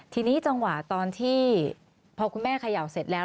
ทีนี้จังหวะตอนที่พอคุณแม่เขย่าเสร็จแล้ว